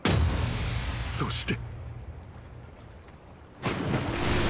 そして］